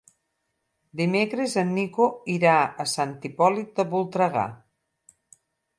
Dimecres en Nico irà a Sant Hipòlit de Voltregà.